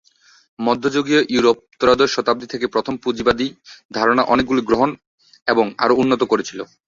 মধ্যযুগীয় ইউরোপ ত্রয়োদশ শতাব্দী থেকে প্রথম পুঁজিবাদী ধারণার অনেকগুলি গ্রহণ এবং আরও উন্নত করেছিল।